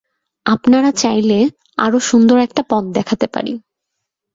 আপনারা চাইলে, আরো সুন্দর একটা পথ দেখাতে পারি।